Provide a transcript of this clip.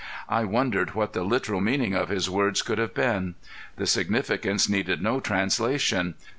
I wondered what the literal meaning of his words could have been. The significance needed no translation.